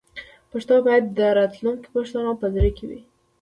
پښتو باید د راتلونکي پښتنو په زړه کې وي.